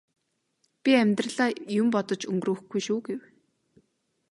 би амьдралаа юм бодож өнгөрөөхгүй шүү гэв.